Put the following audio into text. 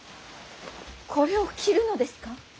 これを着るのですか。